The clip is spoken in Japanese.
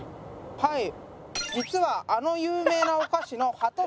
はい。